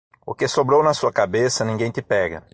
O que sobrou na sua cabeça, ninguém te pega.